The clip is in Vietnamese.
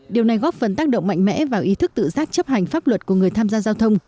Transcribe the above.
điều này góp phần tác động mạnh mẽ vào ý thức tự giác chấp hành pháp luật của người tham gia giao thông